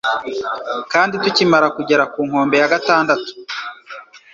kandi tukimara kugera ku nkombe ya gatandatu